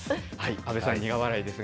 阿部さん、苦笑いですが。